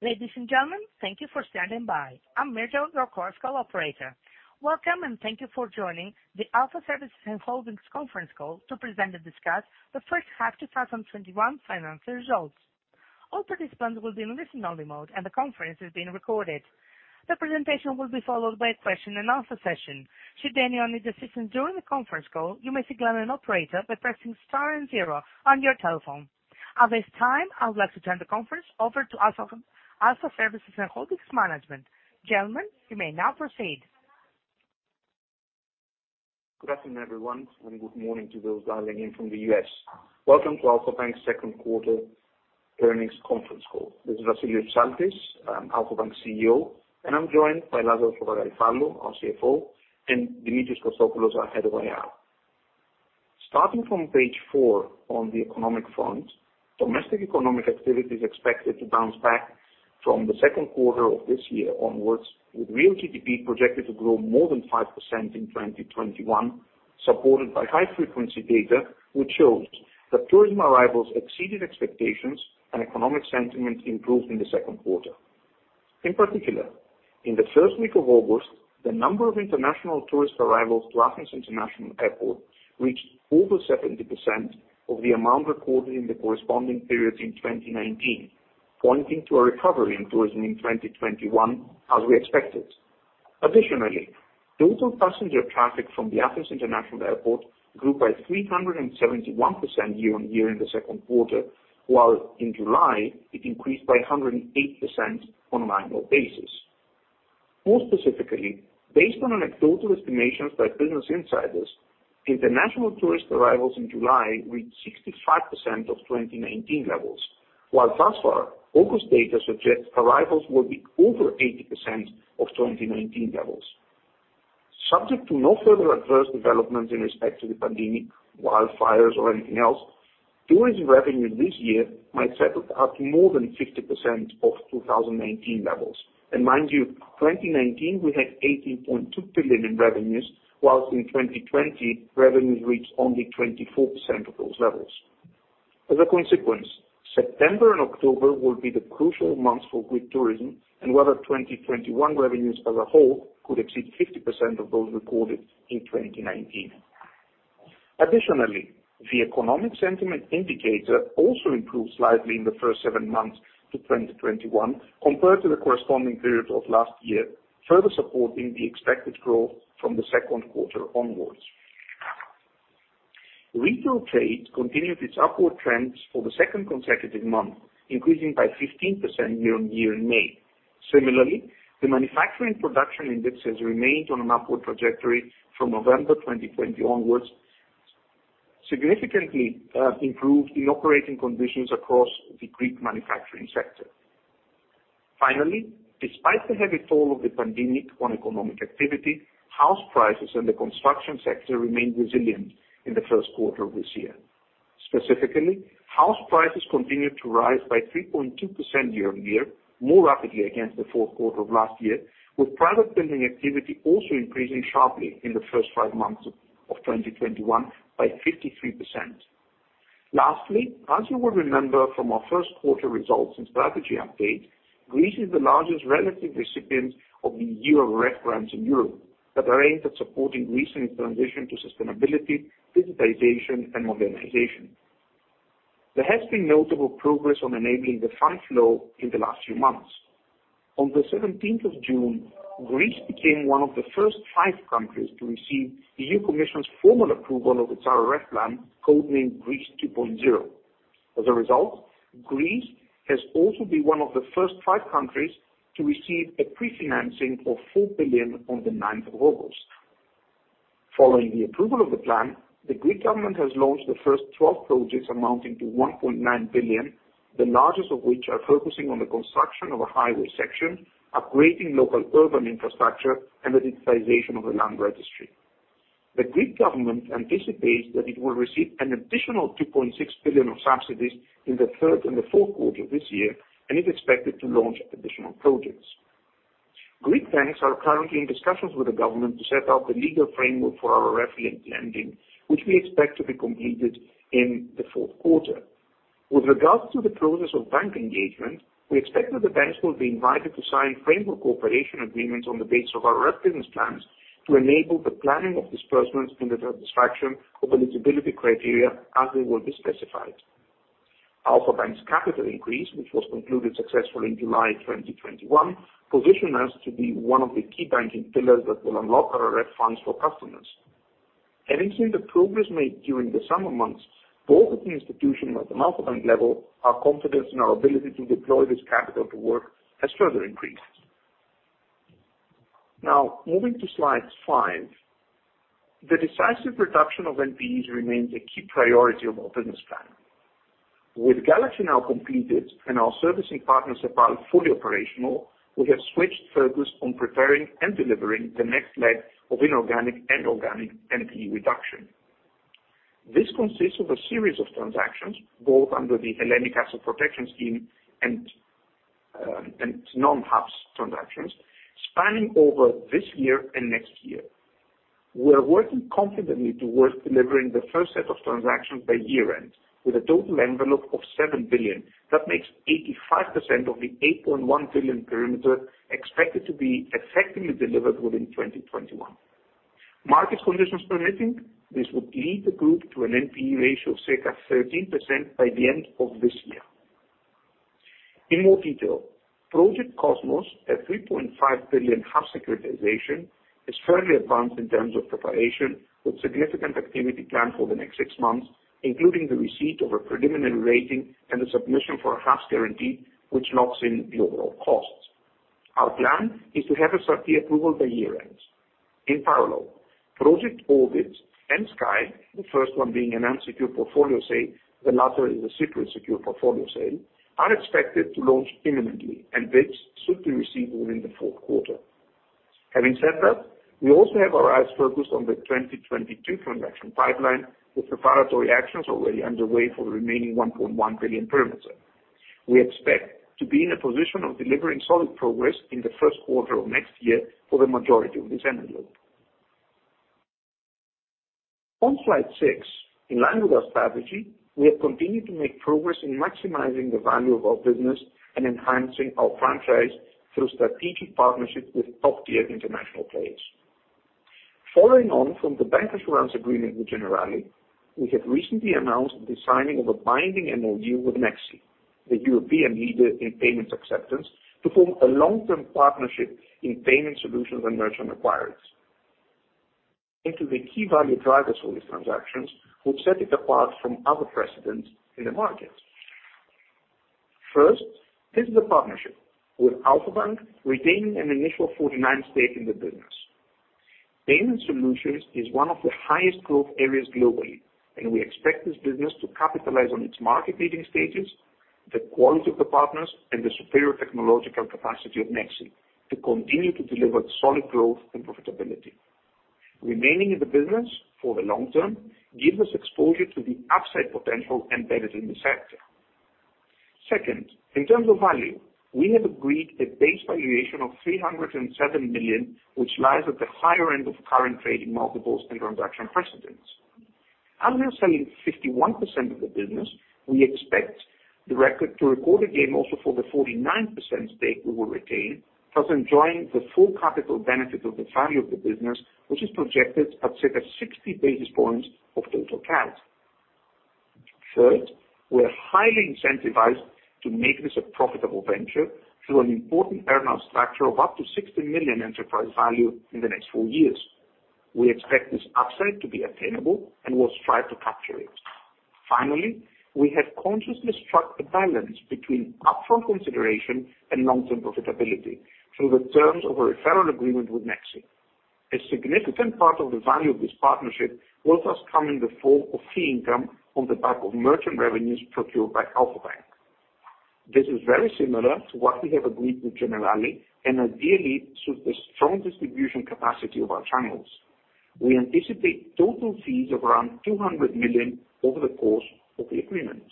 Ladies and gentlemen, thank you for standing by. I'm Mirjo, your Chorus Call operator. Welcome, and thank you for joining the Alpha Services and Holdings conference call to present and discuss the first half 2021 financial results. All participants will be in listen-only mode, and the conference is being recorded. The presentation will be followed by a question and answer session. Should anyone need assistance during the conference call, you may siG&Al an operator by pressing star and zero on your telephone. At this time, I would like to turn the conference over to Alpha Services and Holdings management. Gentlemen, you may now proceed. Good afternoon, everyone, and good morning to those dialing in from the U.S. Welcome to Alpha Bank's second quarter earnings conference call. This is Vassilios Psaltis, Alpha Bank CEO, and I'm joined by Lazaros Papagaryfallou, our CFO, and [Dimitrios] Kostopoulos, our Head of IR. Starting from page four on the economic front, domestic economic activity is expected to bounce back from the second quarter of this year onwards, with real GDP projected to grow more than 5% in 2021, supported by high-frequency data which shows that tourism arrivals exceeded expectations and economic sentiment improved in the second quarter. In particular, in the first week of August, the number of international tourist arrivals to Athens International Airport reached over 70% of the amount recorded in the corresponding periods in 2019, pointing to a recovery in tourism in 2021 as we expected. Additionally, total passenger traffic from the Athens International Airport grew by 371% year-on-year in the second quarter, while in July it increased by 108% on an annual basis. More specifically, based on total estimations by business insiders, international tourist arrivals in July reached 65% of 2019 levels, while thus far, August data suggests arrivals will be over 80% of 2019 levels. Subject to no further adverse developments in respect to the pandemic, wildfires, or anything else, tourism revenue this year might settle up more than 50% of 2019 levels. Mind you, 2019 we had 18.2 billion in revenues, whilst in 2020 revenues reached only 24% of those levels. As a consequence, September and October will be the crucial months for Greek tourism and whether 2021 revenues as a whole could exceed 50% of those recorded in 2019. Additionally, the economic sentiment indicator also improved slightly in the first seven months to 2021, compared to the corresponding period of last year, further supporting the expected growth from the second quarter onwards. Retail trade continued its upward trends for the second consecutive month, increasing by 15% year-on-year in May. Similarly, the manufacturing production indexes remained on an upward trajectory from November 2020 onwards, significantly improved in operating conditions across the Greek manufacturing sector. Finally, despite the heavy toll of the pandemic on economic activity, house prices and the construction sector remained resilient in the first quarter of this year. Specifically, house prices continued to rise by 3.2% year-on-year more rapidly against the fourth quarter of last year, with private building activity also increasing sharply in the first five months of 2021 by 53%. Lastly, as you will remember from our first quarter results and strategy update, Greece is the largest relative recipient of the EU RRF grants in Europe that are aimed at supporting Greece in its transition to sustainability, digitization, and modernization. There has been notable progress on enabling the funds flow in the last few months. On the 17th of June, Greece became one of the first five countries to receive European Commission's formal approval of its RRF plan, codenamed Greece 2.0. As a result, Greece has also been one of the first five countries to receive a pre-financing of 4 billion on the 9th of August. Following the approval of the plan, the Greek government has launched the first 12 projects amounting to 1.9 billion, the largest of which are focusing on the construction of a highway section, upgrading local urban infrastructure, and the digitization of the land registry. The Greek government anticipates that it will receive an additional 2.6 billion of subsidies in the third and the fourth quarter of this year, and is expected to launch additional projects. Greek banks are currently in discussions with the government to set out the legal framework for our RRF lending, which we expect to be completed in the fourth quarter. With regards to the progress of bank engagement, we expect that the banks will be invited to sign framework cooperation agreements on the base of our RRF business plans to enable the planning of disbursements and the satisfaction of eligibility criteria as they will be specified. Alpha Bank's capital increase, which was concluded successfully in July 2021, position us to be one of the key banking pillars that will unlock our RRF funds for customers. Having seen the progress made during the summer months, both at the institution at the multi-bank level, our confidence and our ability to deploy this capital to work has further increased. Moving to slide five. The decisive reduction of NPEs remains a key priority of our business plan. With Galaxy now completed and our servicing partner, Cepal, fully operational, we have switched focus on preparing and delivering the next leg of inorganic and organic NPE reduction. This consists of a series of transactions, both under the Hellenic Asset Protection Scheme and non-HAPS transactions spanning over this year and next year. We're working confidently towards delivering the first set of transactions by year-end, with a total envelope of 7 billion. That makes 85% of the 8.1 billion perimeter expected to be effectively delivered within 2021. Market conditions permitting, this would lead the group to an NPE ratio of circa 13% by the end of this year. In more detail, Project Cosmos, a 3.5 billion HAPS securitization, is fairly advanced in terms of preparation, with significant activity planned for the next six months, including the receipt of a preliminary rating and the submission for a HAPS guarantee, which locks in the overall costs. Our plan is to have SRT approval by year end. In parallel, Project Orbit and Sky, the first one being an unsecured portfolio sale, the latter is a secured portfolio sale, are expected to launch imminently. Bids should be received within the fourth quarter. Having said that, we also have our eyes focused on the 2022 transaction pipeline, with preparatory actions already underway for the remaining [1.1 billion] perimeter. We expect to be in a position of delivering solid progress in the first quarter of next year for the majority of this envelope. On slide six, in line with our strategy, we have continued to make progress in maximizing the value of our business and enhancing our franchise through strategic partnerships with top-tier international players. Following on from the bancassurance agreement with Generali, we have recently announced the signing of a binding MOU with Nexi, the European leader in payment acceptance, to form a long-term partnership in payment solutions and merchant acquiring. Into the key value drivers for these transactions, which set it apart from other precedents in the market. First, this is a partnership with Alpha Bank retaining an initial 49% stake in the business. Payment solutions is one of the highest growth areas globally, and we expect this business to capitalize on its market-leading status, the quality of the partners, and the superior technological capacity of Nexi to continue to deliver solid growth and profitability. Remaining in the business for the long term gives us exposure to the upside potential embedded in the sector. Second, in terms of value, we have agreed a base valuation of 307 million, which lies at the higher end of current trading multiples and transaction precedents. Under selling 51% of the business, we expect the record to record a gain also for the 49% stake we will retain, thus enjoying the full capital benefit of the value of the business, which is projected at circa 60 basis points of total cash. Third, we're highly incentivized to make this a profitable venture through an important earn out structure of up to 60 million enterprise value in the next four years. We expect this upside to be attainable and will strive to capture it. Finally, we have consciously struck a balance between upfront consideration and long-term profitability through the terms of a referral agreement with Nexi. A significant part of the value of this partnership will thus come in the form of fee income on the back of merchant revenues procured by Alpha Bank. This is very similar to what we have agreed with Generali and ideally suits the strong distribution capacity of our channels. We anticipate total fees of around 200 million over the course of the agreement.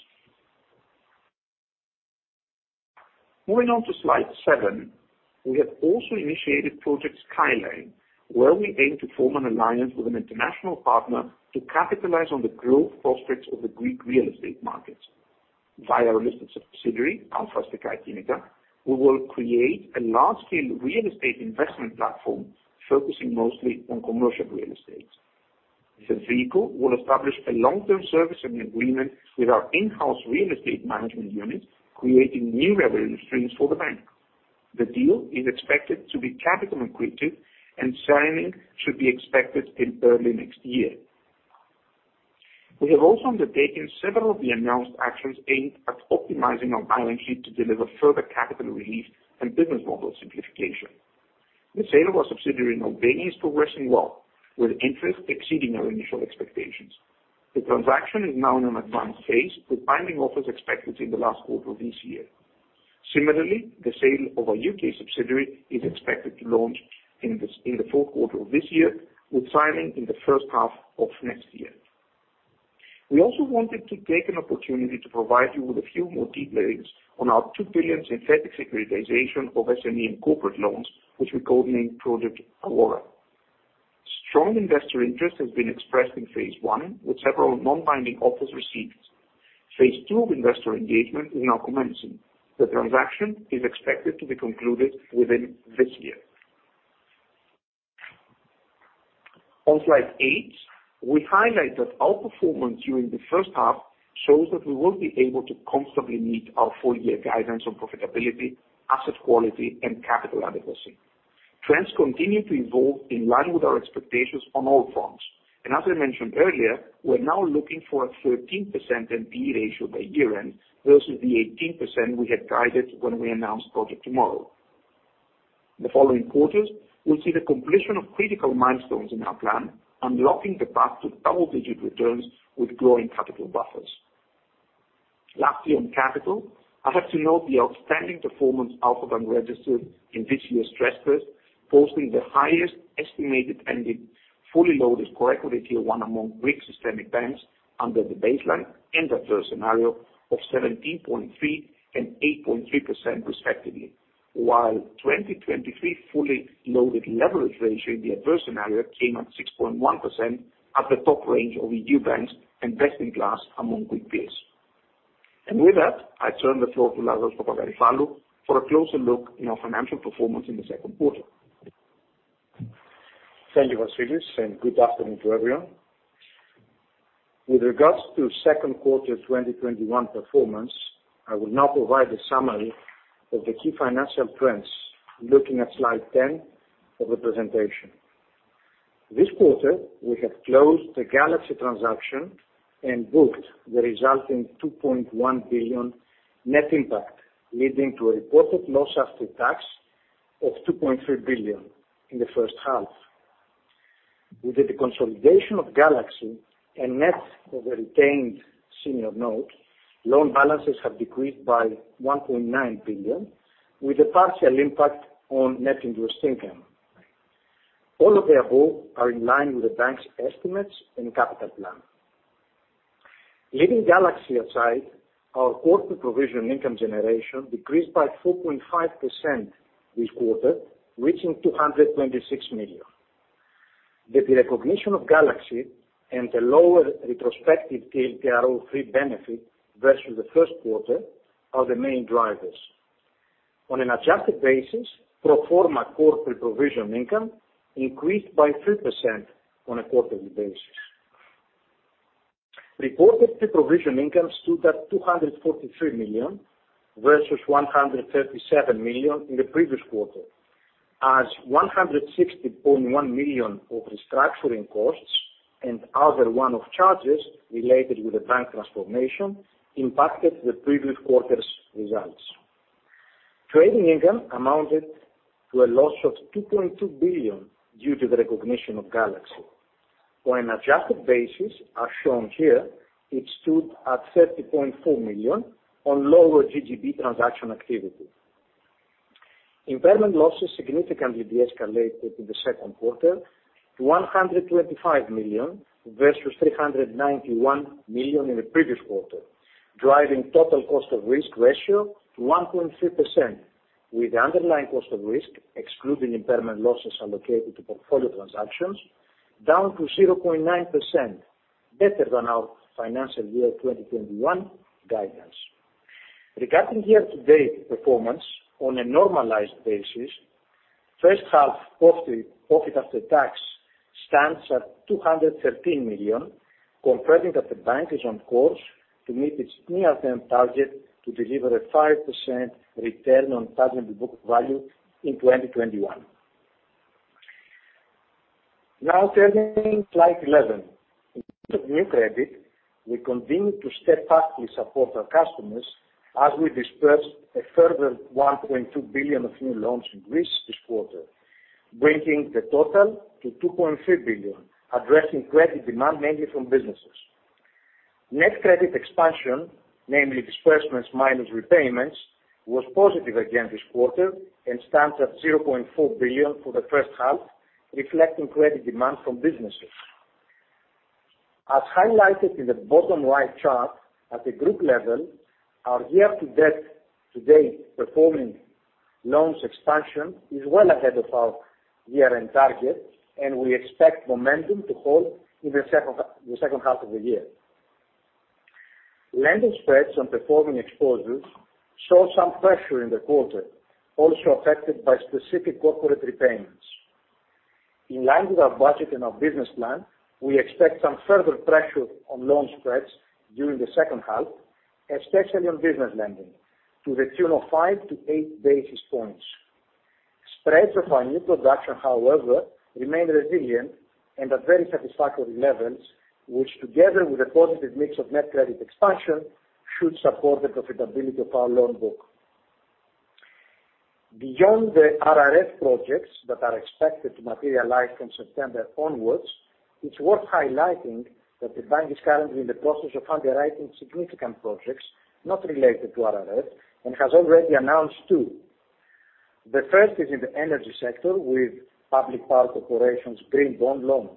Moving on to slide seven. We have also initiated Project Skyline, where we aim to form an alliance with an international partner to capitalize on the growth prospects of the Greek real estate markets. Via our listed subsidiary, Alpha Astika Akinita, we will create a large-scale real estate investment platform focusing mostly on commercial real estate. This vehicle will establish a long-term servicing agreement with our in-house real estate management unit, creating new revenue streams for the bank. The deal is expected to be capital accretive, and signing should be expected in early next year. We have also undertaken several of the announced actions aimed at optimizing our balance sheet to deliver further capital relief and business model simplification. The sale of our subsidiary in Albania is progressing well, with interest exceeding our initial expectations. The transaction is now in an advanced phase, with binding offers expected in the last quarter of this year. Similarly, the sale of our U.K. subsidiary is expected to launch in the fourth quarter of this year, with signing in the first half of next year. We also wanted to take an opportunity to provide you with a few more details on our 2 billion synthetic securitization of SME and corporate loans, which we codenamed Project Aurora. Strong investor interest has been expressed in phase one, with several non-binding offers received. Phase two of investor engagement is now commencing. The transaction is expected to be concluded within this year. On slide eight, we highlight that our performance during the 1st half shows that we will be able to comfortably meet our full-year guidance on profitability, asset quality, and capital adequacy. Trends continue to evolve in line with our expectations on all fronts. As I mentioned earlier, we're now looking for a 13% NPE ratio by year-end versus the 18% we had guided when we announced Project Tomorrow. The following quarters will see the completion of critical milestones in our plan, unlocking the path to double-digit returns with growing capital buffers. Lastly, on capital, I'd like to note the outstanding performance Alpha Bank registered in this year's stress test, posting the highest estimated fully loaded Core Equity Tier 1 among Greek systemic banks under the baseline and adverse scenario of 17.3% and 8.3% respectively. While 2023 fully loaded leverage ratio in the adverse scenario came at 6.1% at the top range of EU banks and best-in-class among Greek peers. With that, I turn the floor to Lazaros Papagaryfallou for a closer look in our financial performance in the second quarter. Thank you, Vassilis, and good afternoon to everyone. With regards to second quarter 2021 performance, I will now provide a summary of the key financial trends, looking at slide 10 of the presentation. This quarter, we have closed the Galaxy transaction and booked the resulting 2.1 billion net impact, leading to a reported loss after tax of 2.3 billion in the first half. With the consolidation of Galaxy and net of the retained senior note, loan balances have decreased by 1.9 billion, with a partial impact on net interest income. All of the above are in line with the bank's estimates and capital plan. Leaving Galaxy aside, our quarter provision income generation decreased by 4.5% this quarter, reaching 226 million. With the recognition of Galaxy and the lower retrospective TLTRO [III] benefit versus the first quarter are the main drivers. On an adjusted basis, pro forma core pre-provision income increased by 3% on a quarterly basis. Reported pre-provision income stood at 243 million versus 137 million in the previous quarter. As 160.1 million of restructuring costs and other one-off charges related with the bank transformation impacted the previous quarter's results. Trading income amounted to a loss of 2.2 billion due to the recognition of Galaxy. On an adjusted basis, as shown here, it stood at 30.4 million on lower GGB transaction activity. Impairment losses significantly deescalated in the second quarter to 125 million versus 391 million in the previous quarter, driving total cost of risk ratio to 1.3%, with underlying cost of risk, excluding impairment losses allocated to portfolio transactions, down to 0.9%, better than our financial year 2021 guidance. Regarding year-to-date performance on a normalized basis, first half profit after tax stands at 213 million, confirming that the bank is on course to meet its near-term target to deliver a 5% return on tangible book value in 2021. Now turning to slide 11. In terms of new credit, we continue to steadfastly support our customers as we dispersed a further 1.2 billion of new loans in Greece this quarter, bringing the total to 2.3 billion, addressing credit demand mainly from businesses. Net credit expansion, namely disbursements minus repayments, was positive again this quarter and stands at 0.4 billion for the first half, reflecting credit demand from businesses. As highlighted in the bottom right chart at the group level, our year-to-date performing loans expansion is well ahead of our year-end target, and we expect momentum to hold in the second half of the year. Lending spreads on performing exposures saw some pressure in the quarter, also affected by specific corporate repayments. In line with our budget and our business plan, we expect some further pressure on loan spreads during the second half, especially on business lending to the tune of 5-8 basis points. Spreads of our new production, however, remain resilient and at very satisfactory levels, which together with a positive mix of net credit expansion, should support the profitability of our loan book. Beyond the RRF projects that are expected to materialize from September onwards, it is worth highlighting that the bank is currently in the process of underwriting significant projects not related to RRF and has already announced two. The first is in the energy sector with Public Power Corporation's Green Bond loan.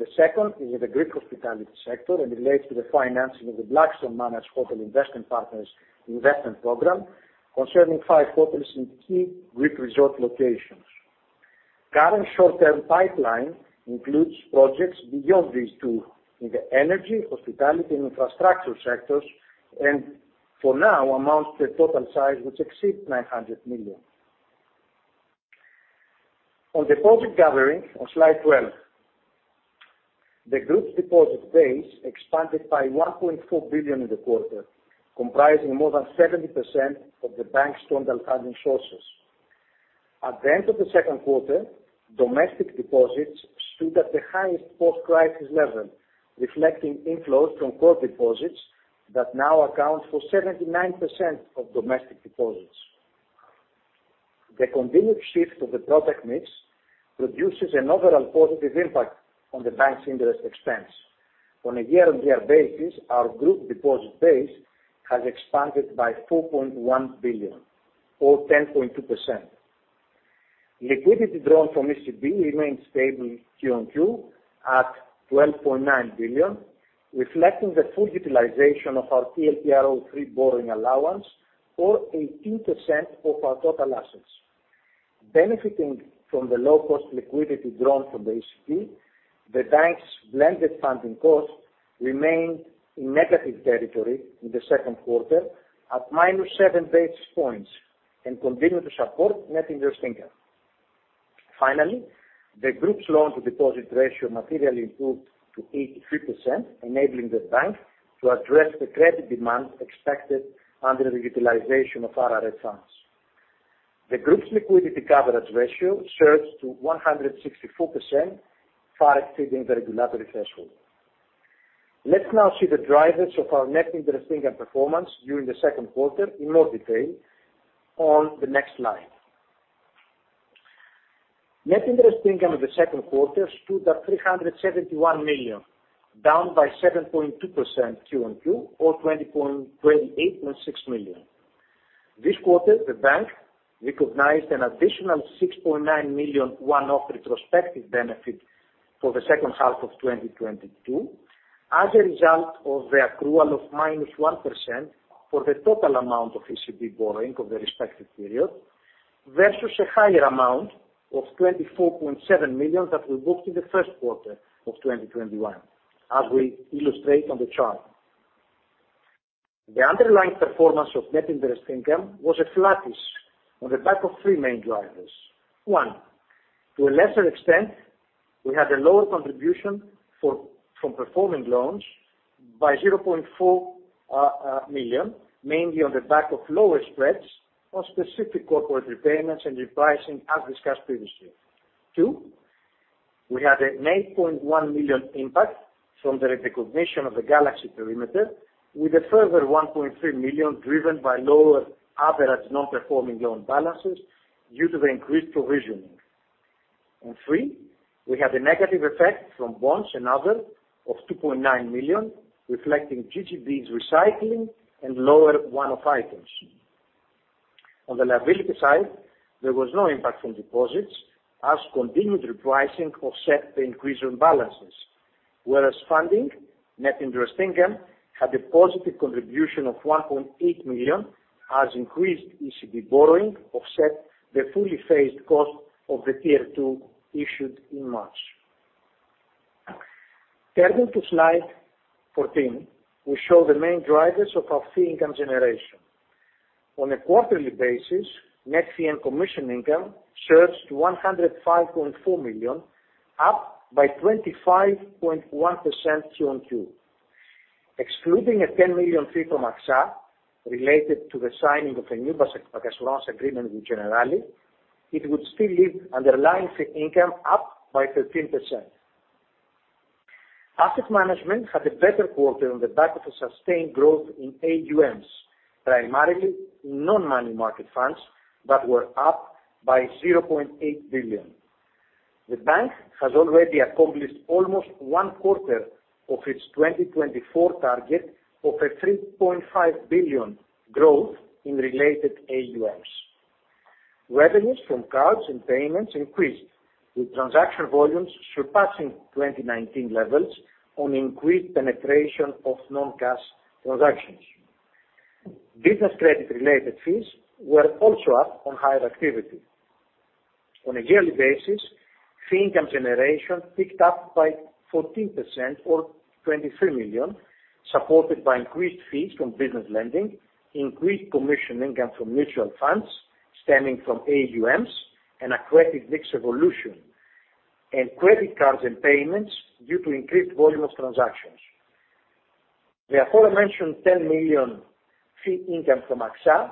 The second is in the Greek hospitality sector and relates to the financing of the Blackstone managed Hotel Investment Partners investment program concerning five hotels in key Greek resort locations. Current short-term pipeline includes projects beyond these two in the energy, hospitality, and infrastructure sectors, and for now amounts to total size which exceeds 900 million. On deposit gathering on slide 12. The group deposit base expanded by 1.4 billion in the quarter, comprising more than 70% of the bank's total funding sources. At the end of the second quarter, domestic deposits stood at the highest post-crisis level, reflecting inflows from core deposits that now account for 79% of domestic deposits. The continued shift of the product mix produces an overall positive impact on the bank's interest expense. On a year-on-year basis, our group deposit base has expanded by 4.1 billion or 10.2%. Liquidity drawn from ECB remains stable QoQ at 12.9 billion, reflecting the full utilization of our TLTRO free borrowing allowance or 18% of our total assets. Benefiting from the low-cost liquidity drawn from the ECB, the bank's blended funding cost remained in negative territory in the second quarter at -7 basis points and continue to support net interest income. Finally, the group's loan to deposit ratio materially improved to 83%, enabling the bank to address the credit demand expected under the utilization of RRF funds. The group's liquidity coverage ratio surged to 164%, far exceeding the regulatory threshold. Let's now see the drivers of our net interest income performance during the second quarter in more detail on the next slide. Net interest income in the second quarter stood at 371 million, down by 7.2% QoQ or 28.6 million. This quarter, the bank recognized an additional 6.9 million one-off retrospective benefit for the second half of 2022, as a result of the accrual of -1% for the total amount of ECB borrowing for the respective period versus a higher amount of 24.7 million that we booked in the first quarter of 2021, as we illustrate on the chart. The underlying performance of net interest income was flattish on the back of three main drivers. One, to a lesser extent, we had a lower contribution from performing loans by 0.4 million, mainly on the back of lower spreads on specific corporate repayments and repricing as discussed previously. Two, we had an 8.1 million impact from the recognition of the Project Galaxy perimeter with a further 1.3 million driven by lower average non-performing loan balances due to the increased provisioning. Three, we had a negative effect from bonds and other of 2.9 million, reflecting GGBs recycling and lower one-off items. On the liability side, there was no impact from deposits as continued repricing offset the increase in balances. Whereas funding net interest income had a positive contribution of 1.8 million as increased ECB borrowing offset the fully phased cost of the Tier 2 issued in March. Turning to slide 14, we show the main drivers of our fee income generation. On a quarterly basis, net fee and commission income surges to 105.4 million, up by 25.1% QoQ. Excluding a 10 million fee from AXA related to the signing of a new insurance agreement with Generali, it would still leave underlying fee income up by 13%. Asset management had a better quarter on the back of a sustained growth in AUMs, primarily in non-money market funds that were up by 0.8 billion. The bank has already accomplished almost one quarter of its 2024 target of a 3.5 billion growth in related AUMs. Revenues from cards and payments increased, with transaction volumes surpassing 2019 levels on increased penetration of non-cash transactions. Business credit related fees were also up on higher activity. On a yearly basis, fee income generation picked up by 14% or 23 million, supported by increased fees from business lending, increased commission income from mutual funds stemming from AUMs, and a creative mix evolution in credit cards and payments due to increased volume of transactions. The aforementioned 10 million fee income from AXA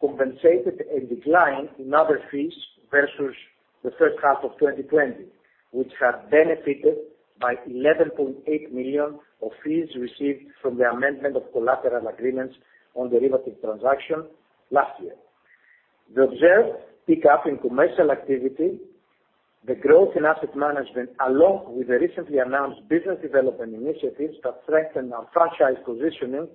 compensated a decline in other fees versus the first half of 2020, which had benefited by 11.8 million of fees received from the amendment of collateral agreements on derivative transaction last year. The observed pickup in commercial activity, the growth in asset management along with the recently announced business development initiatives that strengthen our franchise positioning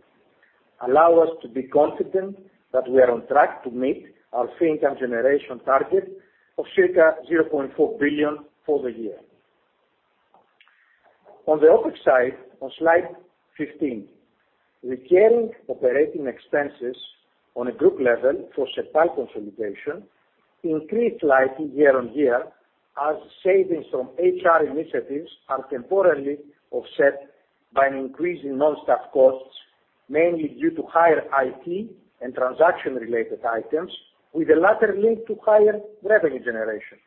allow us to be confident that we are on track to meet our fee income generation target of circa 0.4 billion for the year. On the opposite side, on slide 15, recurring operating expenses on a group level for Cepal consolidation increased slightly year-on-year as savings from HR initiatives are temporarily offset by an increase in non-staff costs, mainly due to higher IT and transaction related items, with the latter linked to higher revenue generation.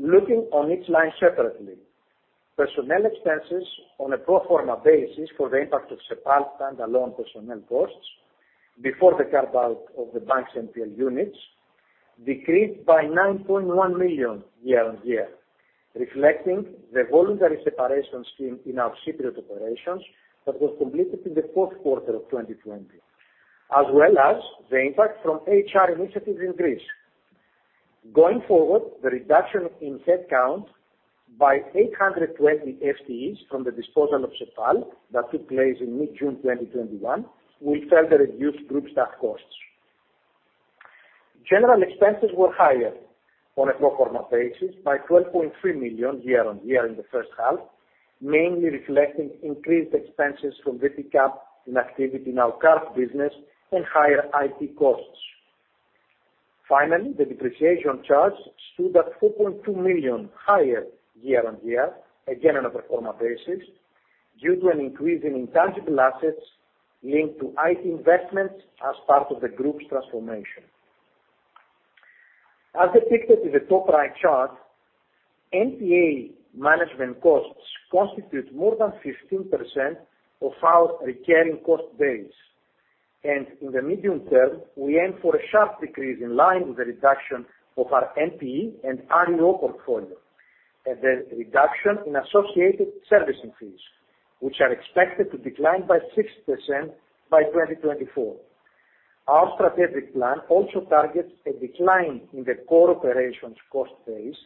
Looking on each line separately. Personnel expenses on a pro forma basis for the impact of Cepal stand alone personnel costs before the carve-out of the bank's NPL units decreased by 9.1 million year-on-year, reflecting the voluntary separation scheme in our Cypriot operations that was completed in the fourth quarter of 2020, as well as the impact from HR initiatives in Greece. Going forward, the reduction in headcount by 820 FTEs from the disposal of Cepal that took place in mid-June 2021 will further reduce group staff costs. General expenses were higher on a pro forma basis by 12.3 million year-on-year in the first half, mainly reflecting increased expenses from the pickup in activity in our card business and higher IT costs. Finally, the depreciation charge stood at 4.2 million higher year-on-year, again on a pro forma basis, due to an increase in intangible assets linked to IT investments as part of the group's transformation. As depicted in the top right chart, NPA management costs constitute more than 15% of our recurring cost base. In the medium term, we aim for a sharp decrease in line with the reduction of our NPE and annual portfolio, and the reduction in associated servicing fees, which are expected to decline by 6% by 2024. Our strategic plan also targets a decline in the core operations cost base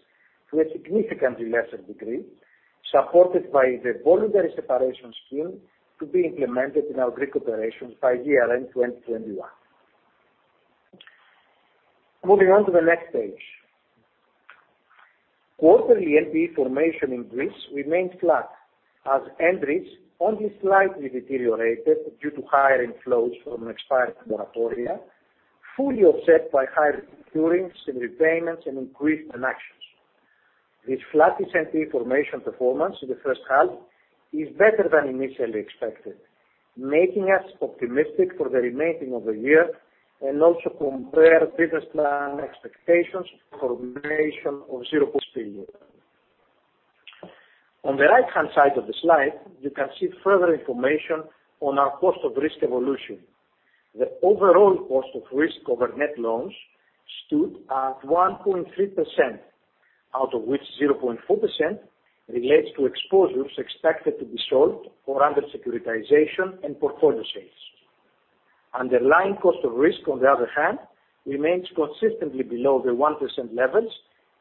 to a significantly lesser degree, supported by the voluntary separation scheme to be implemented in our Greek operations by year-end 2021. Moving on to the next page. Quarterly NPE formation in Greece remains flat as entries only slightly deteriorated due to higher inflows from expired moratoria, fully offset by higher curings and repayments and increased transactions. This flat NPE formation performance in the first half is better than initially expected, making us optimistic for the remaining of the year. Also compare business plan expectations for a combination of zero cost per year. On the right-hand side of the slide, you can see further information on our cost of risk evolution. The overall cost of risk over net loans stood at 1.3%, out of which 0.4% relates to exposures expected to be sold or under securitization and portfolio sales. Underlying cost of risk, on the other hand, remains consistently below the 1% levels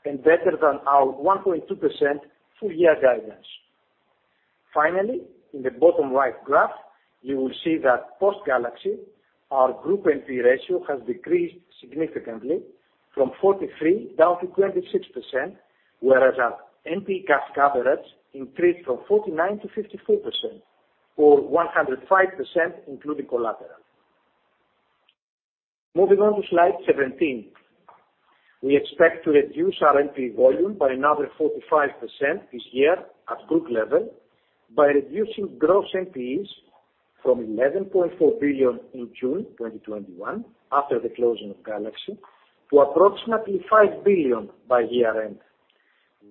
and better than our 1.2% full year guidance. Finally, in the bottom right graph, you will see that post Galaxy, our group NPE ratio has decreased significantly from 43% down to 26%, whereas our NPE cash coverage increased from 49% to 54%, or 105% including collateral. Moving on to slide 17. We expect to reduce our NPE volume by another 45% this year at group level by reducing gross NPEs from 11.4 billion in June 2021 after the closing of Galaxy, to approximately 5 billion by year-end.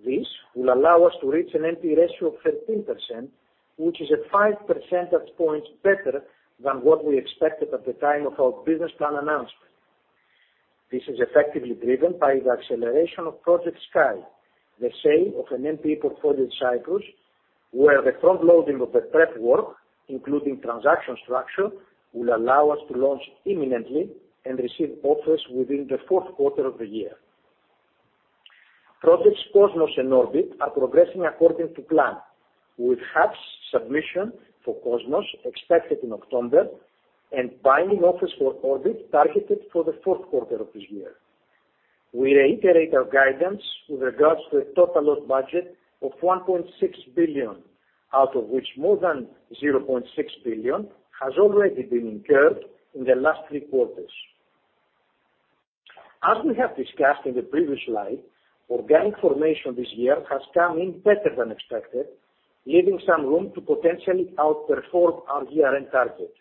This will allow us to reach an NPE ratio of 13%, which is at 5 percentage points better than what we expected at the time of our business plan announcement. This is effectively driven by the acceleration of Project Sky, the sale of an NPE portfolio in Cyprus, where the frontloading of the prep work, including transaction structure, will allow us to launch imminently and receive offers within the fourth quarter of the year. Projects Cosmos and Orbit are progressing according to plan, with HAPS submission for Cosmos expected in October, and binding offers for Orbit targeted for the fourth quarter of this year. We reiterate our guidance with regards to a total loss-budget of 1.6 billion, out of which more than 0.6 billion has already been incurred in the last three quarters. As we have discussed in the previous slide, organic formation this year has come in better than expected, leaving some room to potentially outperform our year-end target.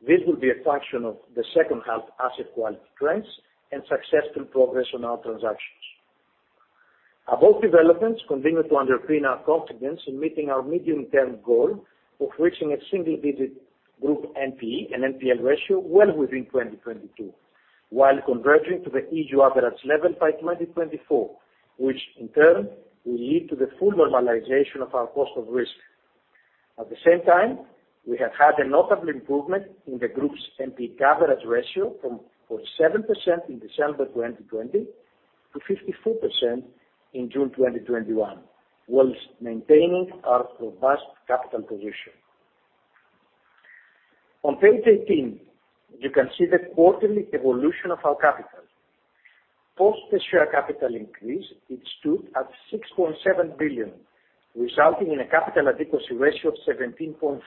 This will be a function of the second half asset quality trends and successful progress on our transactions. Above developments continue to underpin our confidence in meeting our medium-term goal of reaching a single-digit group NPE and NPL ratio well within 2022, while converging to the EU average level by 2024, which in turn will lead to the full normalization of our cost of risk. At the same time, we have had a notable improvement in the group's NPE coverage ratio from 7% in December 2020 to 54% in June 2021, whilst maintaining our robust capital position. On page 18, you can see the quarterly evolution of our capital. Post the share capital increase, it stood at 6.7 billion, resulting in a capital adequacy ratio of 17.4%,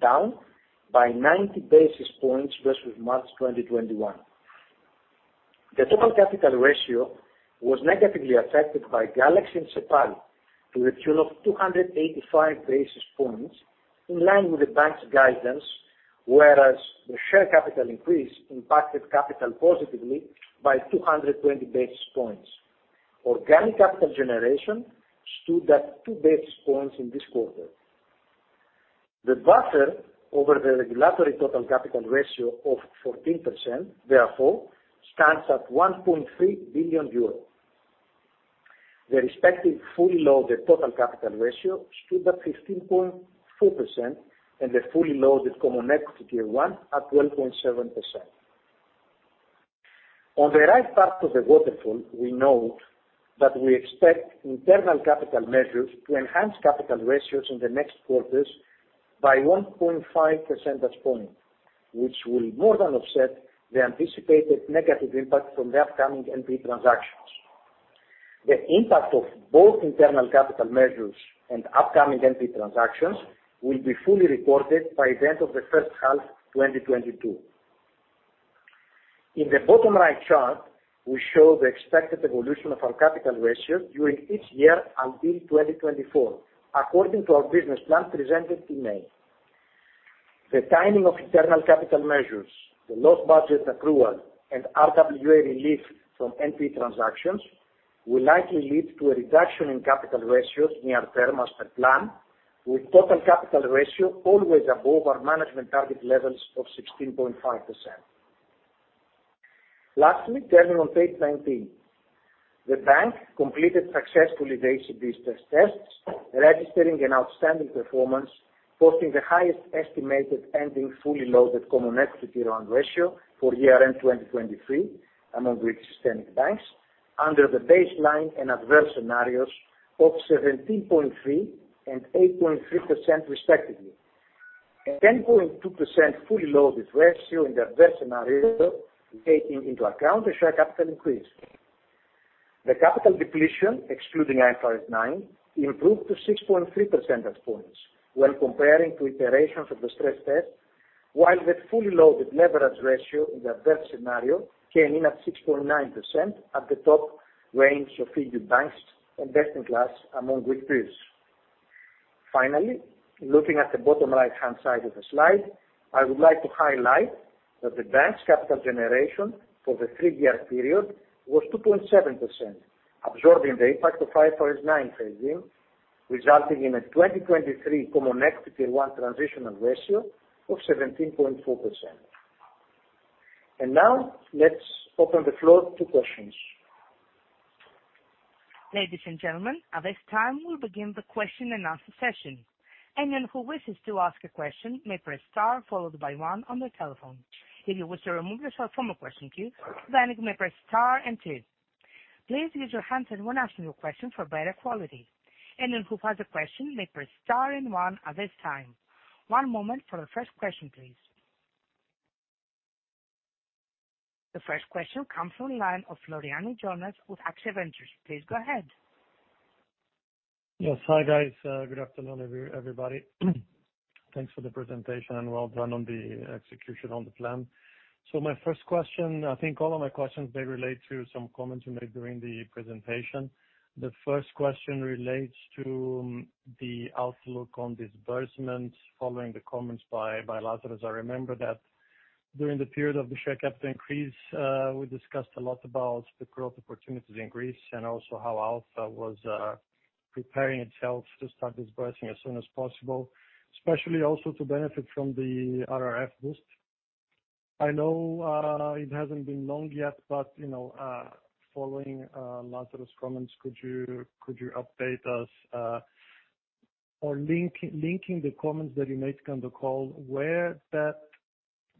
down by 90 basis points versus March 2021. The total capital ratio was negatively affected by Galaxy and Cepal to the tune of 285 basis points, in line with the bank's guidance, whereas the share capital increase impacted capital positively by 220 basis points. Organic capital generation stood at two basis points in this quarter. The buffer over the regulatory total capital ratio of 14%, therefore stands at 1.3 billion euros. The respective fully loaded total capital ratio stood at 15.4%, and the fully loaded Core Equity Tier 1 at 12.7%. On the right part of the waterfall, we note that we expect internal capital measures to enhance capital ratios in the next quarters by 1.5 percentage point, which will more than offset the anticipated negative impact from the upcoming NP transactions. The impact of both internal capital measures and upcoming NP transactions will be fully reported by the end of the first half 2022. In the bottom right chart, we show the expected evolution of our capital ratio during each year until 2024, according to our business plan presented in May. The timing of internal capital measures, the loss budget accrual, and RWA relief from NPE transactions will likely lead to a reduction in capital ratios near term as per plan, with total capital ratio always above our management target levels of 16.5%. Lastly, turning on page 19. The bank completed successfully the ECB stress tests, registering an outstanding performance, posting the highest estimated ending fully loaded common equity Tier 1 ratio for year-end 2023 among Greek systemic banks under the baseline and adverse scenarios of 17.3% and 8.3% respectively. A 10.2% fully loaded ratio in the adverse scenario, taking into account the share capital increase. The capital depletion, excluding IFRS 9, improved to 6.3 percentage points when comparing to iterations of the stress test, while the fully loaded leverage ratio in the adverse scenario came in at 6.9% at the top range of [figured banks] and best-in-class among Greek peers. Looking at the bottom right-hand side of the slide, I would like to highlight that the bank's capital generation for the three-year period was 2.7%, absorbing the impact of IFRS 9 phasing, resulting in a 2023 Core Equity Tier 1 transitional ratio of 17.4%. Now let's open the floor to questions. Ladies and gentlemen, at this time we'll begin the question and answer session. Anyone who wishes to ask a question may press star followed by one on their telephone. If you wish to remove yourself from a question queue, then you may press star and two. Please mute your handset when asking your question for better quality. Anyone who has a question may press star and one at this time. One moment for the first question, please. The first question comes from line of Floriani Jonas with AXIA Ventures. Please go ahead. Yes, hi guys. Good afternoon everybody. Thanks for the presentation and well done on the execution on the plan. My first question, I think all of my questions, they relate to some comments you made during the presentation. The first question relates to the outlook on disbursements following the comments by Lazaros. I remember that during the period of the share capital increase, we discussed a lot about the growth opportunities in Greece and also how Alpha was preparing itself to start dispersing as soon as possible, especially also to benefit from the RRF boost. I know [RRF], it hasn't been long yet, but following Lazaros comments, could you update us? Or linking the comments that you made on the call, where that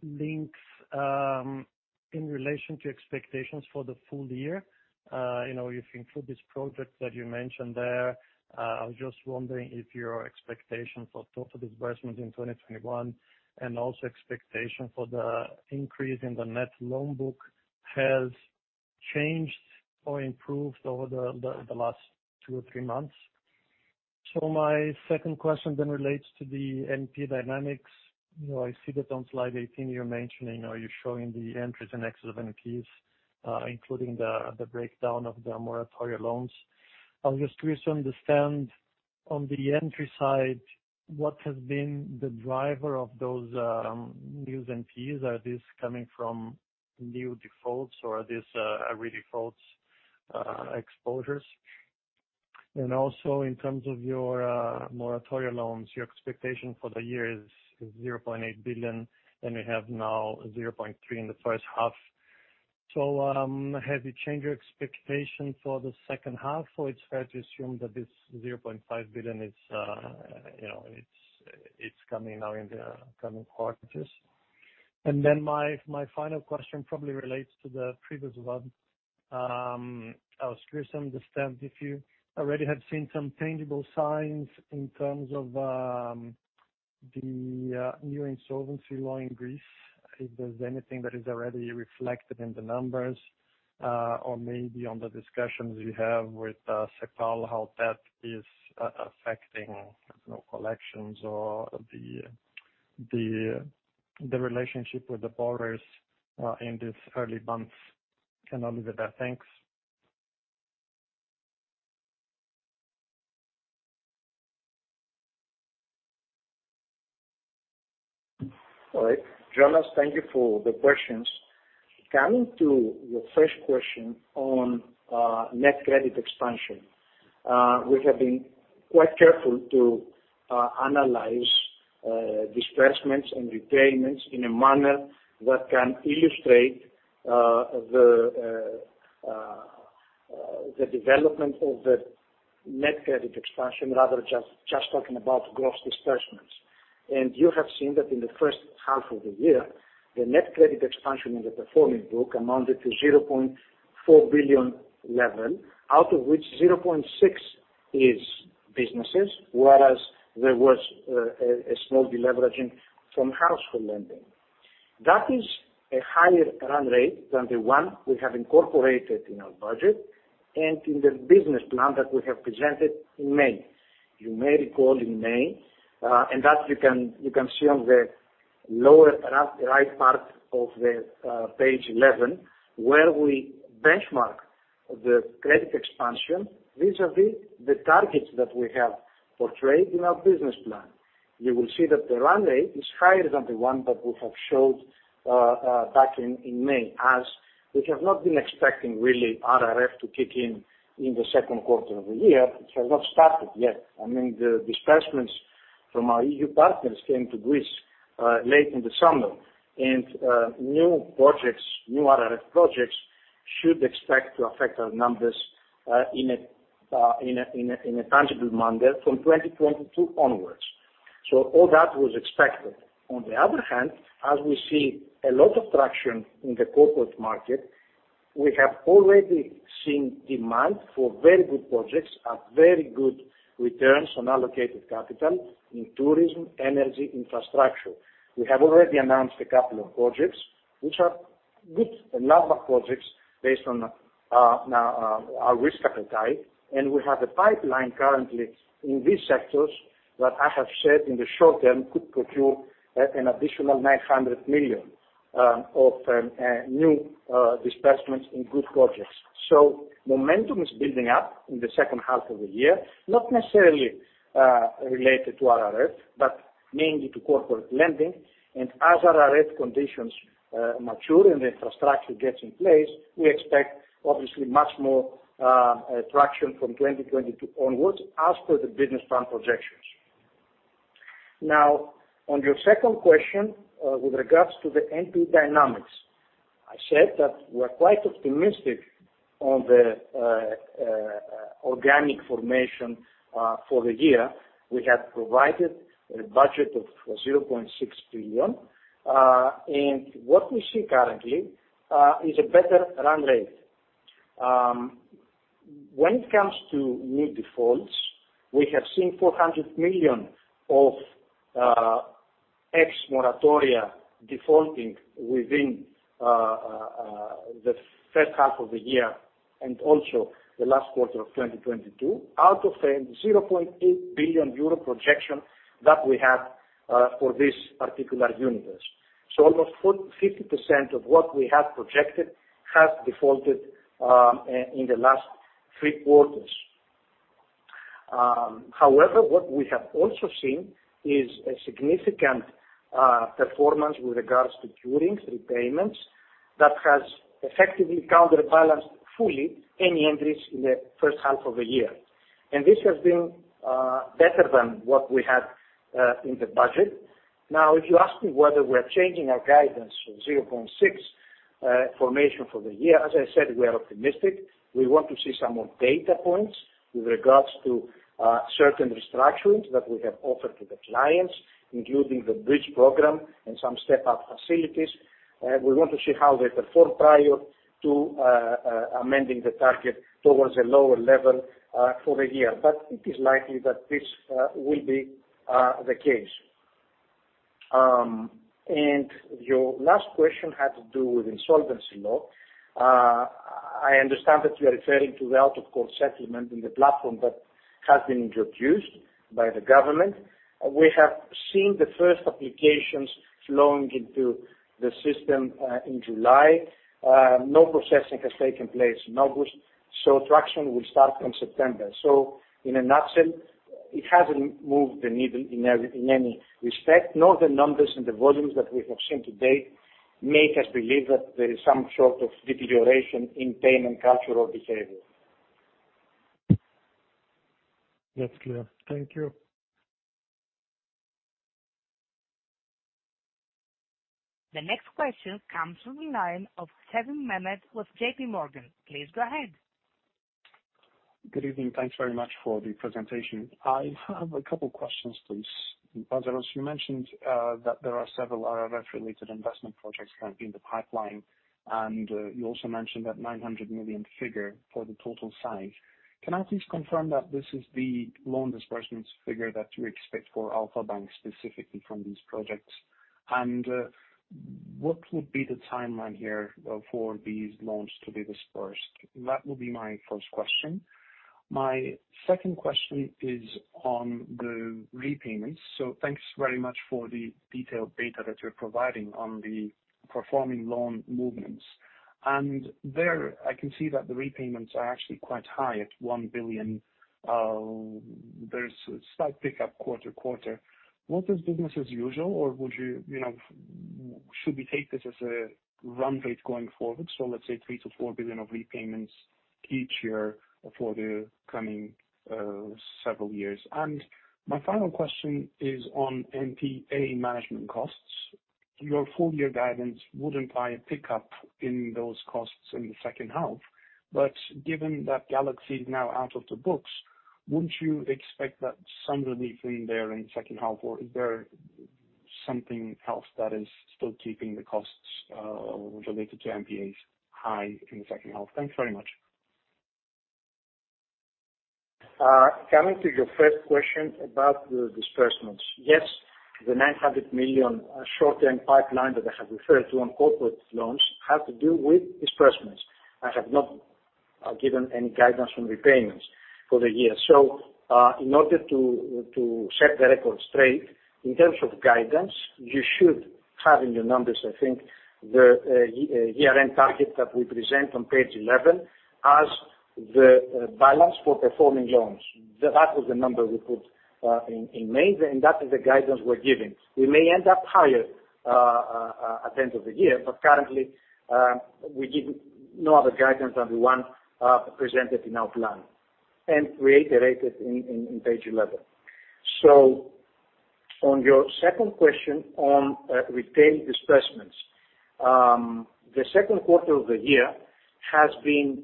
links in relation to expectations for the full year? If you include this project that you mentioned there, I was just wondering if your expectations for total disbursement in 2021 and also expectation for the increase in the net loan book has changed or improved over the last two or three months. My second question then relates to the NP dynamics. I see that on slide 18 you're mentioning or you're showing the entries and exits of NPs, including the breakdown of the moratoria loans. I would just wish to understand on the entry side, what has been the driver of those new NPs? Are these coming from new defaults or are these redefaults exposures? Also in terms of your moratoria loans, your expectation for the year is 0.8 billion, and we have now 0.3 in the first half. Have you changed your expectation for the second half, or it's fair to assume that this 0.5 billion it's coming now in the coming quarters? Then my final question probably relates to the previous one. I was curious to understand if you already have seen some tangible signs in terms of the new insolvency law in Greece, if there's anything that is already reflected in the numbers, or maybe on the discussions you have with Cepal, how that is affecting collections or the relationship with the borrowers in these early months. I'll leave it there. Thanks. All right. Jonas, thank you for the questions. Coming to your first question on net credit expansion. We have been quite careful to analyze disbursements and repayments in a manner that can illustrate the development of the net credit expansion, rather just talking about gross disbursements. You have seen that in the first half of the year, the net credit expansion in the performing book amounted to 0.4 billion, out of which 0.6 is businesses, whereas there was a small de-leveraging from household lending. That is a higher run rate than the one we have incorporated in our budget and in the business plan that we have presented in May. You may recall in May, and that you can see on the lower right part of the page 11, where we benchmark the credit expansion vis-a-vis the targets that we have portrayed in our business plan. You will see that the run rate is higher than the one that we have showed back in May, as we have not been expecting really RRF to kick in the second quarter of the year. It has not started yet. The disbursements from our EU partners came to Greece late in December. New RRF projects should expect to affect our numbers in a tangible manner from 2022 onwards. All that was expected. On the other hand, as we see a lot of traction in the corporate market, we have already seen demand for very good projects at very good returns on allocated capital in tourism, energy, infrastructure. We have already announced a couple of projects, which are good number of projects based on our risk appetite. We have a pipeline currently in these sectors that I have said in the short term could procure an additional 900 million of new disbursements in good projects. Momentum is building up in the second half of the year, not necessarily related to RRF, but mainly to corporate lending. As RRF conditions mature and the infrastructure gets in place, we expect obviously much more traction from 2022 onwards as per the business plan projections. On your second question with regards to the NP dynamics. I said that we're quite optimistic on the organic formation for the year. We have provided a budget of 0.6 billion. What we see currently is a better run rate. When it comes to new defaults, we have seen 400 million of ex moratoria defaulting within the first half of the year and also the last quarter of 2022 out of the 0.8 billion euro projection that we have for this particular universe. Almost 50% of what we have projected has defaulted in the last three quarters. However, what we have also seen is a significant performance with regards to curings, repayments, that has effectively counterbalanced fully any increase in the first half of the year. This has been better than what we had in the budget. Now, if you ask me whether we're changing our guidance from 0.6 formation for the year, as I said, we are optimistic. We want to see some more data points with regards to certain restructurings that we have offered to the clients, including the Bridge program and some step-up facilities. We want to see how they perform prior to amending the target towards a lower level for the year. It is likely that this will be the case. Your last question had to do with insolvency law. I understand that you're referring to the out of court settlement and the platform that has been introduced by the government. We have seen the first applications flowing into the system in July. No processing has taken place in August, so traction will start from September. In a nutshell, it hasn't moved the needle in any respect, nor the numbers and the volumes that we have seen to date make us believe that there is some sort of deterioration in payment cultural behavior. That's clear. Thank you. The next question comes from the line of Sevim Mehmet with JPMorgan. Please go ahead. Good evening. Thanks very much for the presentation. I have a couple questions, please. Lazaros, you mentioned that there are several RRF-related investment projects currently in the pipeline. You also mentioned that 900 million figure for the total size. Can I please confirm that this is the loan disbursements figure that you expect for Alpha Bank, specifically from these projects? What would be the timeline here for these loans to be disbursed? That will be my first question. My second question is on the repayments. Thanks very much for the detailed data that you're providing on the performing loan movements. There I can see that the repayments are actually quite high at 1 billion. There's a slight pickup quarter-to-quarter. What is business as usual, or should we take this as a run rate going forward? Let's say 3 billion-4 billion of repayments each year for the coming several years. My final question is on NPA management costs. Your full year guidance would imply a pickup in those costs in the second half. Given that Galaxy is now out of the books, wouldn't you expect that some relief in there in second half? Or is there something else that is still keeping the costs related to NPAs high in the second half? Thanks very much. Coming to your first question about the disbursements. Yes, the 900 million short-term pipeline that I have referred to on corporate loans have to do with disbursements. I have not given any guidance on repayments for the year. In order to set the record straight, in terms of guidance, you should have in your numbers, I think, the year-end target that we present on page 11 as the balance for performing loans. That was the number we put in May, and that is the guidance we're giving. We may end up higher at the end of the year, but currently, we give no other guidance than the one presented in our plan and reiterated in page 11. On your second question on retained disbursements. The second quarter of the year has been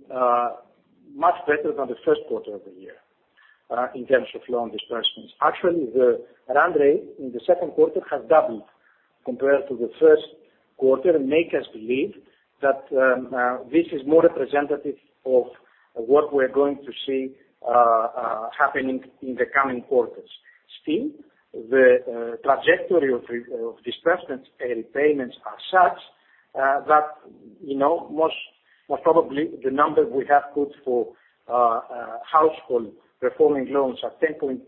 much better than the first quarter of the year in terms of loan disbursements. Actually, the run rate in the second quarter has doubled compared to the first quarter, and make us believe that this is more representative of what we're going to see happening in the coming quarters. Still, the trajectory of disbursements and repayments are such that most probably, the number we have put for household performing loans are 10.8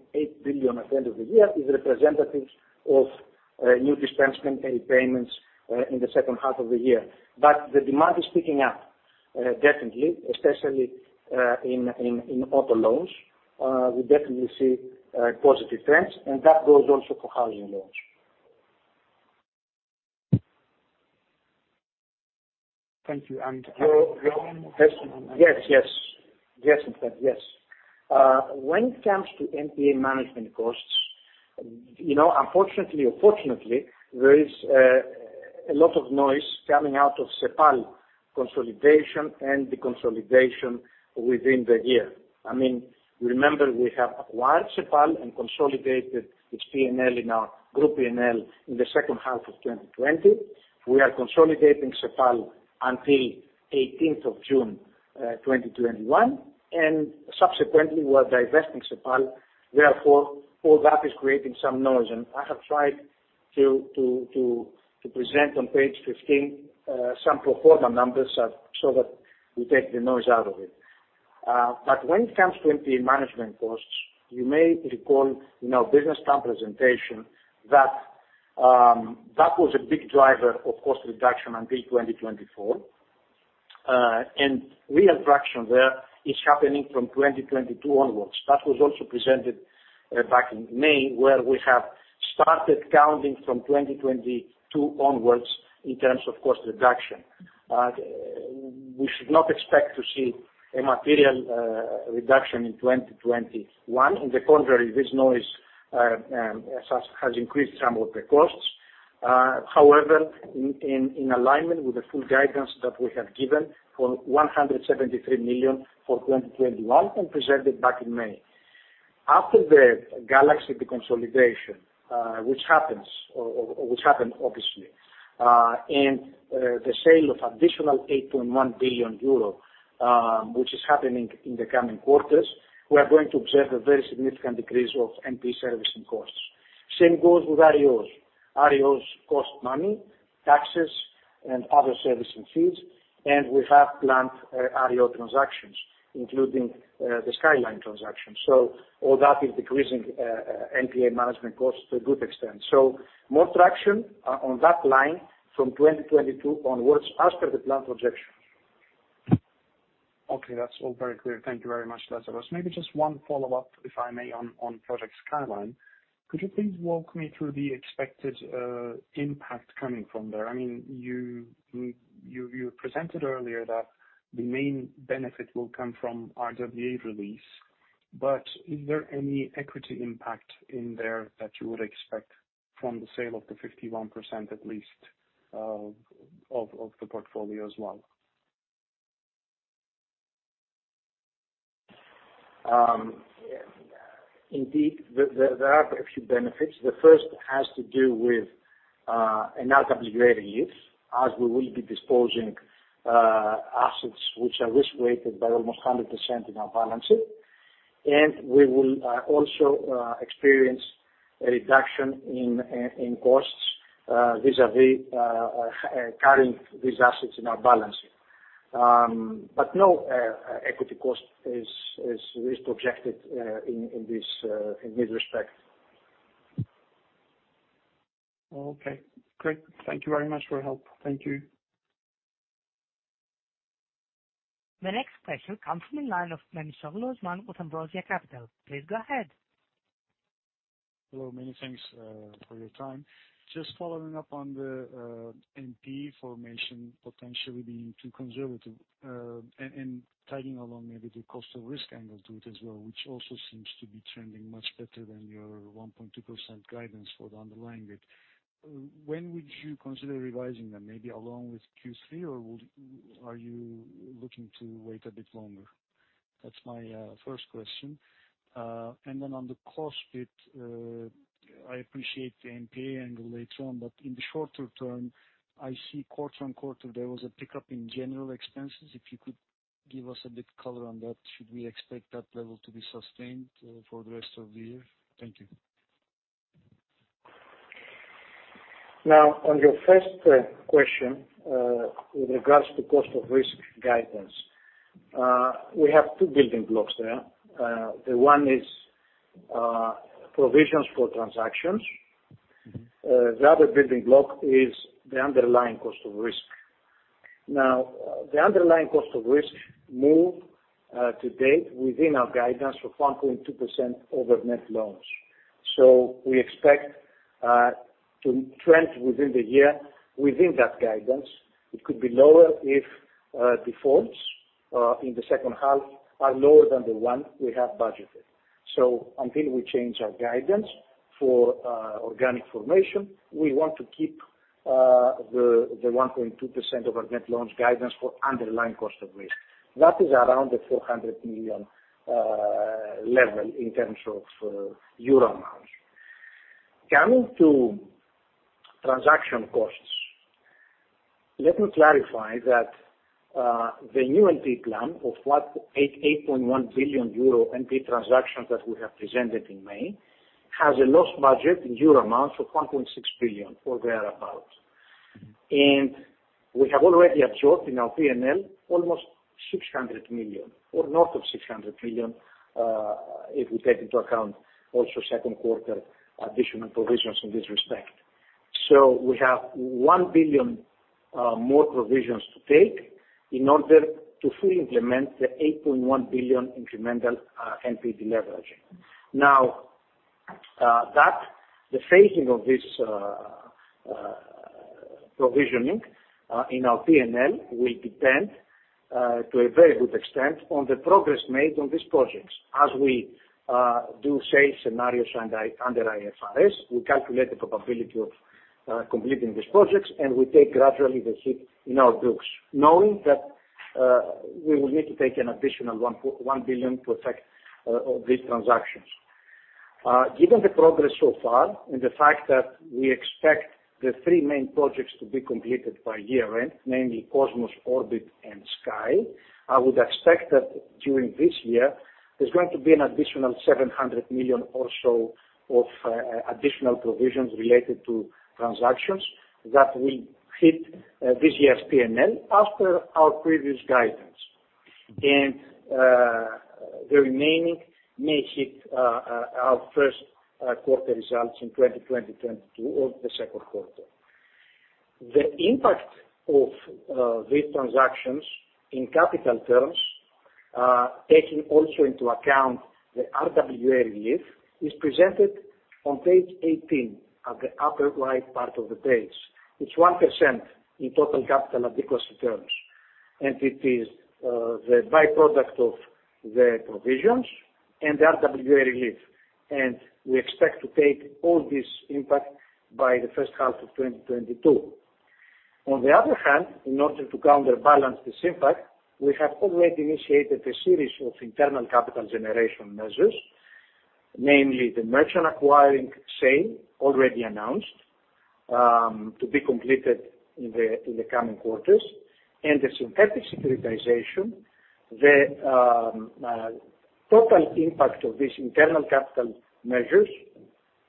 billion at the end of the year is representative of new disbursement and repayments in the second half of the year. The demand is picking up, definitely, especially in auto loans. We definitely see positive trends, and that goes also for housing loans. Thank you. Your own question... When it comes to NPA management costs, unfortunately or fortunately, there is a lot of noise coming out of Cepal consolidation and the consolidation within the year. Remember, we have acquired Cepal and consolidated its P&L in our group P&L in the second half of 2020. We are consolidating Cepal until 18th of June 2021, and subsequently, we're divesting Cepal. All that is creating some noise. I have tried to present on page 15 some pro forma numbers so that we take the noise out of it. When it comes to NPA management costs, you may recall in our business plan presentation that that was a big driver of cost reduction until 2024. Real traction there is happening from 2022 onwards. That was also presented back in May, where we have started counting from 2022 onwards in terms of cost reduction. We should not expect to see a material reduction in 2021. On the contrary, this noise has increased some of the costs. However, in alignment with the full guidance that we have given for 173 million for 2021 and presented back in May, after the Galaxy deconsolidation, which happened obviously, and the sale of additional 8.1 billion euro, which is happening in the coming quarters, we are going to observe a very significant decrease of NP servicing costs. Same goes with REOs. REOs cost money, taxes, and other servicing fees. We have planned REO transactions, including the Skyline transaction. All that is decreasing NPA management costs to a good extent. More traction on that line from 2022 onwards as per the plan projection. Okay. That's all very clear. Thank you very much, Lazaros. Maybe just one follow-up, if I may, on Project Skyline. Could you please walk me through the expected impact coming from there? You presented earlier that the main benefit will come from RWA release, but is there any equity impact in there that you would expect from the sale of the 51% at least of the portfolio as well? Indeed, there are a few benefits. The first has to do with an adequately rated yield, as we will be disposing assets which are risk-weighted by almost 100% in our balance sheet. We will also experience a reduction in costs vis-à-vis carrying these assets in our balance sheet. No equity cost is projected in this respect. Okay, great. Thank you very much for help. Thank you. The next question comes from the line of [Memisoglu Osman] with Ambrosia Capital. Please go ahead. Hello. Many thanks for your time. Just following up on the NP formation potentially being too conservative, and tagging along maybe the cost of risk angle to it as well, which also seems to be trending much better than your 1.2% guidance for the underlying bit. When would you consider revising them? Maybe along with Q3, or are you looking to wait a bit longer? That's my first question. Then on the cost bit, I appreciate the NPA angle later on, but in the shorter term, I see quarter-on-quarter, there was a pickup in general expenses. If you could give us a bit of color on that. Should we expect that level to be sustained for the rest of the year? Thank you. Now, on your first question, with regards to cost of risk guidance. We have two building blocks there. The one is provisions for transactions. The other building block is the underlying cost of risk. Now, the underlying cost of risk moved to date within our guidance for 1.2% over net loans. We expect to trend within the year within that guidance. It could be lower if defaults in the second half are lower than the one we have budgeted. Until we change our guidance for organic formation, we want to keep the 1.2% of our net loans guidance for underlying cost of risk. That is around the 400 million level in terms of euro amounts. Coming to transaction costs, let me clarify that the new NP plan of what 8.1 billion euro NP transactions that we have presented in May, has a lost budget in EUR amounts of 1.6 billion or thereabout. We have already absorbed in our P&L almost 600 million or north of 600 million, if we take into account also second quarter additional provisions in this respect. We have 1 billion more provisions to take in order to fully implement the 8.1 billion incremental NP deleveraging. The phasing of this provisioning in our P&L will depend, to a very good extent, on the progress made on these projects. As we do say scenarios under IFRS, we calculate the probability of completing these projects, and we take gradually the hit in our books, knowing that we will need to take an additional 1 billion to effect these transactions. Given the progress so far, and the fact that we expect the three main projects to be completed by year-end, namely Project Cosmos, Project Orbit, and Project Sky, I would expect that during this year, there's going to be an additional 700 million or so of additional provisions related to transactions that will hit this year's P&L after our previous guidance. The remaining may hit our first quarter results in 2022 or the second quarter. The impact of these transactions in capital terms, taking also into account the RWA relief, is presented on page 18 at the upper right part of the page. It's 1% in total capital adequacy terms. It is the byproduct of the provisions and the RWA relief. We expect to take all this impact by the first half of 2022. On the other hand, in order to counterbalance this impact, we have already initiated a series of internal capital generation measures. Namely, the merchant acquiring sale already announced to be completed in the coming quarters and the synthetic securitization. The total impact of these internal capital measures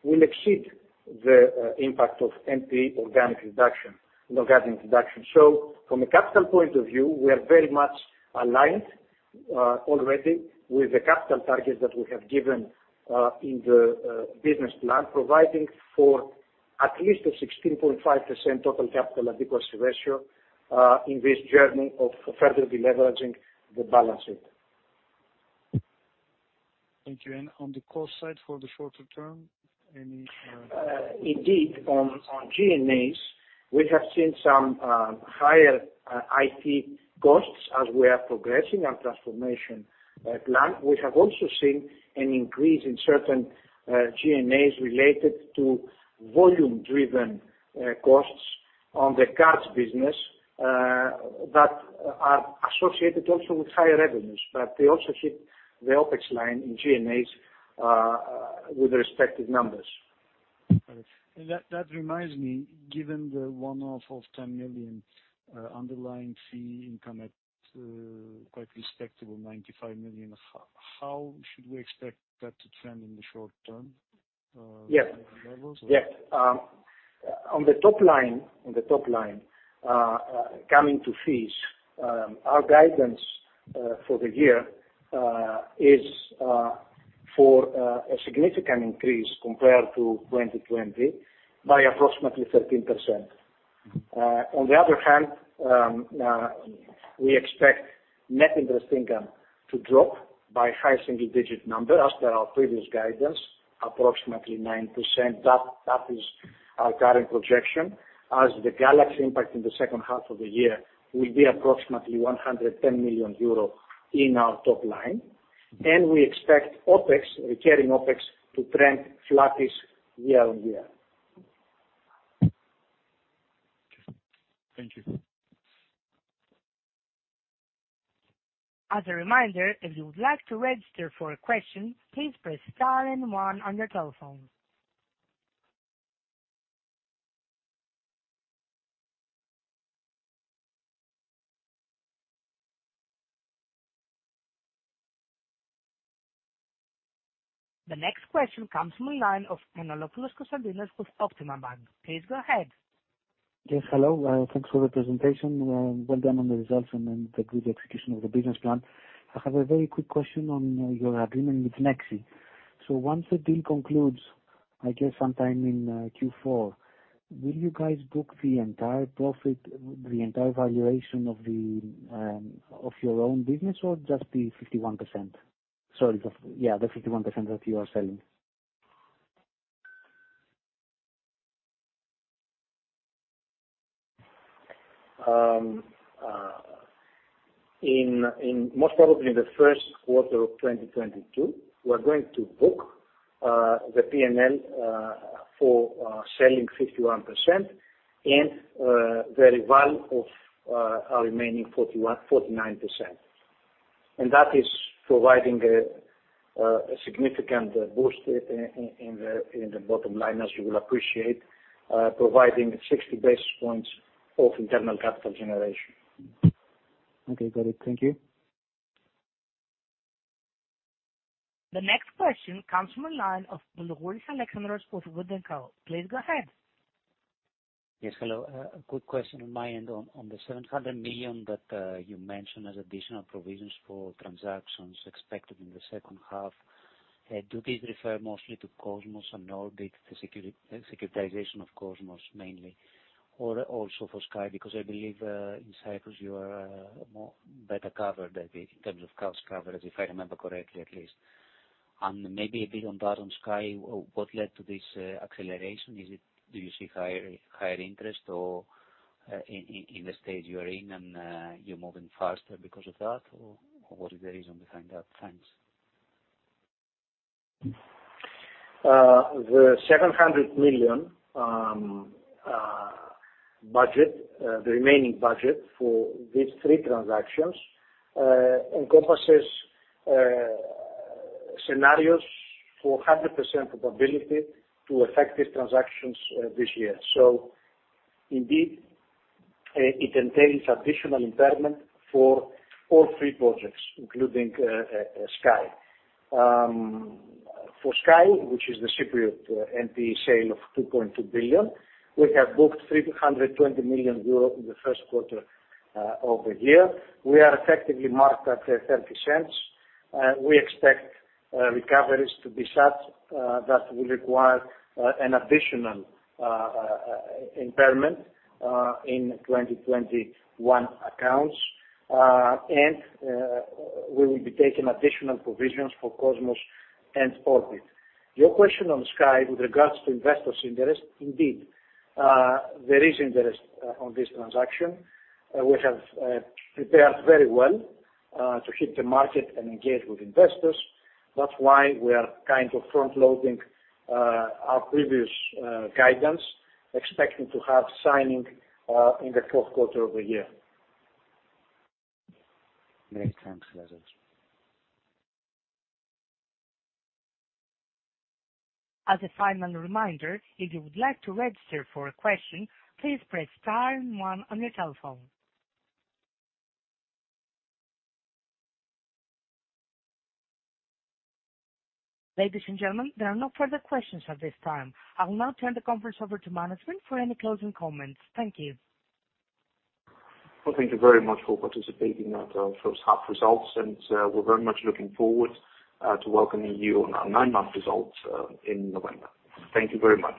will exceed the impact of NP organic reduction. From a capital point of view, we are very much aligned already with the capital target that we have given in the business plan, providing for at least a 16.5% total capital adequacy ratio in this journey of further deleveraging the balance sheet. Thank you. On the cost side for the shorter term? Indeed, on G&As, we have seen some higher IT costs as we are progressing our transformation plan. We have also seen an increase in certain G&As related to volume-driven costs on the cards business, that are associated also with higher revenues. They also hit the OpEx line in G&As with respective numbers. Got it. That reminds me, given the one-off of 10 million underlying fee income at quite respectable 95 million, how should we expect that to trend in the short term? Yeah. On the top-line, coming to fees, our guidance for the year is for a significant increase compared to 2020 by approximately 13%. On the other hand, we expect net interest income to drop by high single-digit number as per our previous guidance, approximately 9%. That is our current projection as the Galaxy impact in the second half of the year will be approximately 110 million euro in our top line. We expect recurring OpEx to trend flattish year-on-year. Thank you. As a reminder, if you would like to register for a question, please press star and one on your telephone. The next question comes from the line of [Konstantinos Panagiotopoulos] with Optima Bank. Please go ahead. Yes, hello. Thanks for the presentation. Well done on the results and the good execution of the business plan. I have a very quick question on your agreement with Nexi. Once the deal concludes, I guess sometime in Q4, will you guys book the entire profit, the entire valuation of your own business or just the 51% that you are selling? Most probably in the first quarter of 2022, we are going to book the P&L for selling 51% and the reval of our remaining 49%. That is providing a significant boost in the bottom line, as you will appreciate, providing 60 basis points of internal capital generation. Okay, got it. Thank you. The next question comes from the line of [Boulougouris Alex] with Wood & Co. Please go ahead. Yes, hello. A quick question on my end. On the 700 million that you mentioned as additional provisions for transactions expected in the second half, do these refer mostly to Project Cosmos and Project Orbit, the securitization of Project Cosmos mainly, or also for Project Sky? Because I believe in Cyprus you are more better covered in terms of accounts coverage, if I remember correctly, at least. And maybe a bit on that, on Project Sky, what led to this acceleration? Do you see higher interest or in the stage you are in and you're moving faster because of that, or what is the reason behind that? Thanks. The 700 million remaining budget for these three transactions encompasses scenarios for 100% probability to effect these transactions this year. Indeed, it entails additional impairment for all three projects, including Project Sky. For Project Sky, which is the Cypriot NPE sale of 2.2 billion, we have booked 320 million euro in the first quarter of the year. We are effectively marked at 0.30. We expect recoveries to be such that will require an additional impairment in 2021 accounts. We will be taking additional provisions for Project Cosmos and Project Orbit. Your question on Project Sky with regards to investors' interest, indeed, there is interest on this transaction. We have prepared very well to hit the market and engage with investors. That's why we are kind of front-loading our previous guidance, expecting to have signing in the fourth quarter of the year. Great. Thanks, Lazaros. As a final reminder, if you would like to register for a question, please press star one on your telephone. Ladies and gentlemen, there are no further questions at this time. I will now turn the conference over to management for any closing comments. Thank you. Well, thank you very much for participating at our first half results, and we're very much looking forward to welcoming you on our nine-month results in November. Thank you very much.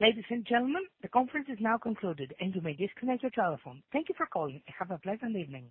Ladies and gentlemen, the conference is now concluded, and you may disconnect your telephone. Thank you for calling, and have a pleasant evening.